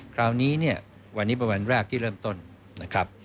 คราวนี้เนี่ยวันนี้เป็นวันแรกที่เริ่มต้นนะครับ